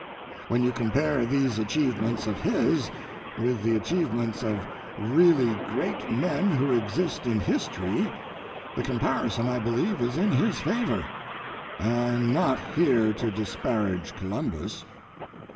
When you compare these achievements of his with the achievements of really great men who exist in history, the comparison, I believe, is in his favor. I am not here to disparage Columbus.